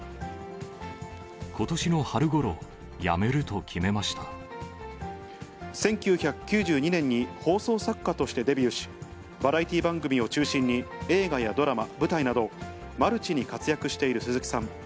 ことしの春ごろ、辞めると決１９９２年に放送作家としてデビューし、バラエティー番組を中心に、映画やドラマ、舞台など、マルチに活躍している鈴木さん。